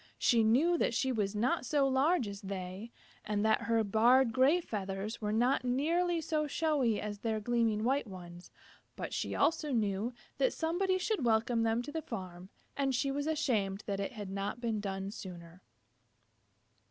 She knew that she was not so large as they, and that her barred gray feathers were not nearly so showy as their gleaming white ones, but she also knew that somebody should welcome them to the farm, and she was ashamed that it had not been done sooner.